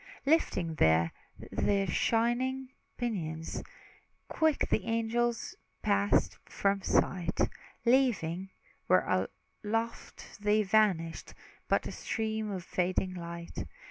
Lifting then their shining pinions, Quick the angels passed from sight; Leaving, where aloft they vanished, But a stream of fading light.